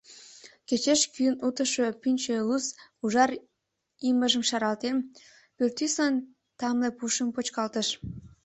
Кечеш кӱын утышо пӱнчӧ лӱс, ужар имыжым шаралтен, пӱртӱслан тамле пушым почкалтыш.